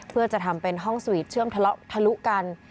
เพื่อจะทำเป็นห้องสวีทเชื่อมทะลุกัน